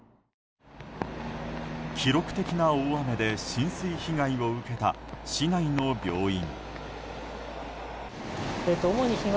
記録的な大雨で浸水被害を受けた市内の病院。